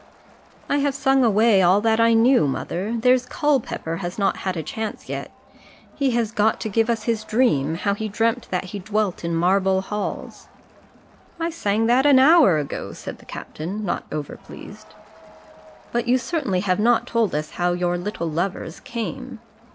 "I have sung away all that I knew, mother. There's Culpepper has not had a chance yet. He has got to give us his dream how he 'dreamt that he dwelt in marble halls!'" "I sang that an hour ago," said the captain, not over pleased. "But you certainly have not told us how 'your little lovers came!'"